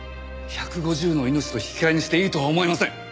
１５０の命と引き換えにしていいとは思えません！